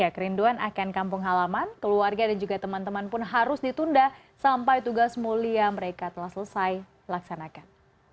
kerinduan akan kampung halaman keluarga dan juga teman teman pun harus ditunda sampai tugas mulia mereka telah selesai laksanakan